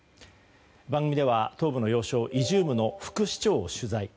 番組では東部の要衝イジュームの副市長を取材。